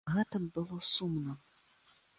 Гэта б было сумна.